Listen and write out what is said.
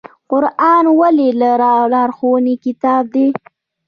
قرآن ولې د لارښوونې کتاب دی؟